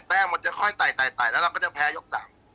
แป้งมันจะค่อยไต่แล้วเราก็จะแพ้ยก๓